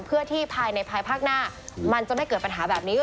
เพื่อที่ภายในภายภาคหน้ามันจะไม่เกิดปัญหาแบบนี้